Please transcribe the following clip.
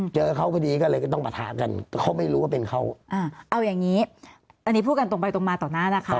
เจอเขาพอดีก็เลยก็ต้องประทะกันเขาไม่รู้ว่าเป็นเขาอ่าเอาอย่างนี้อันนี้พูดกันตรงไปตรงมาต่อหน้านะคะ